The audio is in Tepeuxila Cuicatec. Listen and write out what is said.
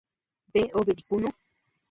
Bea obe dikunú.